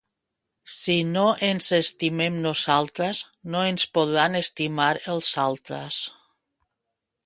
Si no ens estimem nosaltres, no ens podran estimar els altres